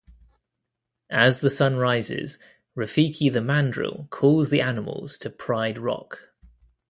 As the sun rises, Rafiki the mandrill calls the animals to Pride Rock.